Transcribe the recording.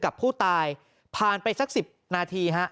กับผู้ตายผ่านไปสัก๑๐นาทีฮะ